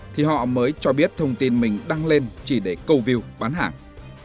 thì họ mới cho biết thông tin mình đăng lên chỉ để câu view bán hàng